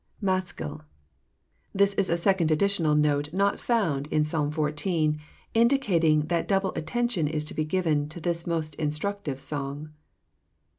Maschil. This is a second additional note not found in Psalm xiv., indicating that double attention is to be given to this most instructive song.